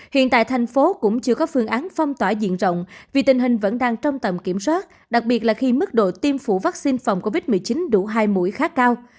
hiện tại thành phố cũng chưa có phương án phong tỏa diện rộng vì tình hình vẫn đang trong tầm kiểm soát đặc biệt là khi mức độ tiêm phủ vaccine phòng covid một mươi chín đủ hai mũi khá cao